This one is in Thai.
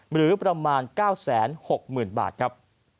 หรือประมาณ๙๖๐๐๐บาทครับ